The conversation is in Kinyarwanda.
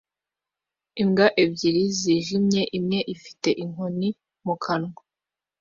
imbwa ebyiri zijimye imwe ifite inkoni mu kanwa